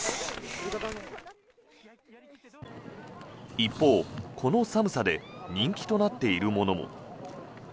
一方、この寒さで人気となっているものも。